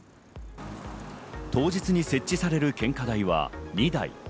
当日に設置される献花台は２台。